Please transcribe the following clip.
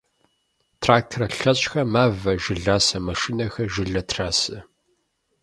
Трактор лъэщхэр мавэ, жыласэ машинэхэм жылэ трасэ.